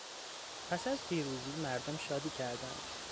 پس از پیروزی مردم شادی کردند.